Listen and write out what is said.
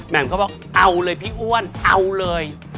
มก็บอกเอาเลยพี่อ้วนเอาเลย